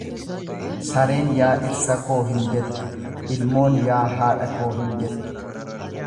Sareen yaa dhirsa koo hin jettu, ilmoon yaa haadha koo hin jettu.